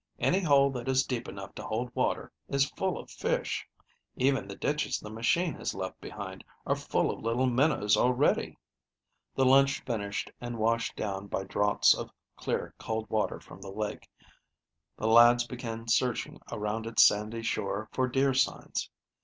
Any hole that is deep enough to hold water is full of fish. Even the ditches the machine has left behind are full of little minnows already." The lunch finished and washed down by draughts of clear, cold water from the lake, the lads began searching around its sandy shore for deer signs.